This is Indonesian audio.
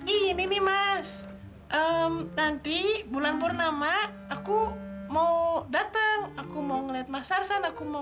ini nih mas nanti bulan purnama aku mau datang aku mau ngeliat mas arsan aku mau